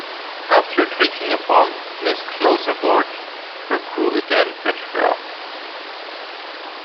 After taking a bomb miss close aboard, her crew again patched her up.